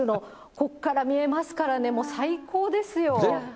ここから見えますからね、もう最高ですよ。